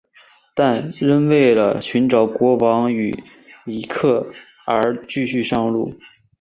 但仍为了寻找国王与里克而继续上路。